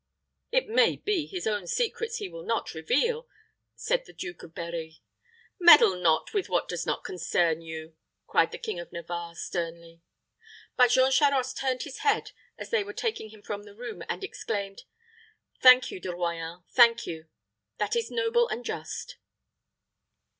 "It may be his own secrets he will not reveal," said the Duke of Berri. "Meddle not with what does not concern you," cried the King of Navarre, sternly. But Jean Charost turned his head as they were taking him from the room, and exclaimed, "Thank you, De Royans thank you! That is noble and just."